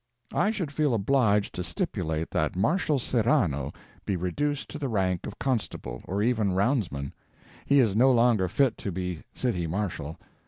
I should feel obliged to stipulate that Marshal Serrano be reduced to the rank of constable, or even roundsman. He is no longer fit to be City Marshal.